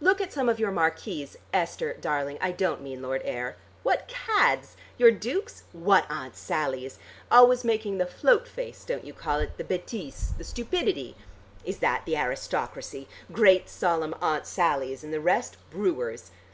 Look at some of your marquises Esther darling, I don't mean Lord Ayr what cads! Your dukes? What Aunt Sallys! Always making the float face, don't you call it, the bêtise, the stupidity. Is that the aristocracy? Great solemn Aunt Sallys and the rest brewers!